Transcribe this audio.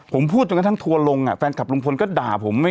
ผมพูดจนกระทั่งทัวร์ลงแฟนคลับลุงพลก็ด่าผม